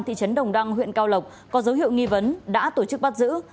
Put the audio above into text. thị trấn đồng đăng huyện cao lộc có dấu hiệu nghi vấn đã tổ chức bắt giữ